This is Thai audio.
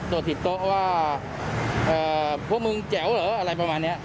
ผิดโต๊ะว่าพวกมึงแจ๋วเหรออะไรประมาณนี้